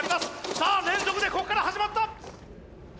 さあ連続でこっから始まった！